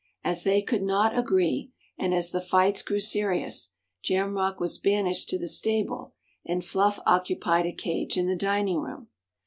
As they could not agree, and as the fights grew serious, Jamrach was banished to the stable and Fluff occupied a cage in the dining room.